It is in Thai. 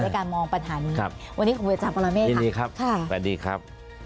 ในการมองปัญหานี้วันนี้คุณพูดจากการาเมฆค่ะสวัสดีครับยินดีครับ